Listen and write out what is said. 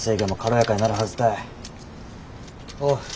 おう。